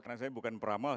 karena saya bukan pramal